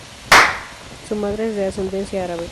Su madre es de ascendencia árabe.